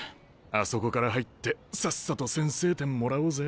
あそこから入ってさっさと先制点もらおうぜ。